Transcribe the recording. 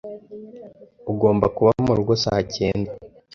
Ugomba kuba murugo saa cyenda.